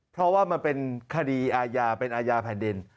เพราะว่ามันเป็นคดีอาญาเป็นอาญาแผ่นดิน